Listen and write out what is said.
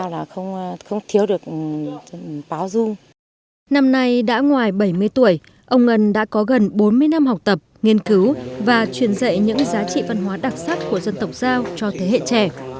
năm nay đã ngoài bảy mươi tuổi ông ngân đã có gần bốn mươi năm học tập nghiên cứu và truyền dạy những giá trị văn hóa đặc sắc của dân tộc giao cho thế hệ trẻ